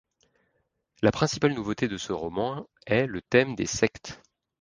La principale nouveauté de ce roman est le thème des sectes.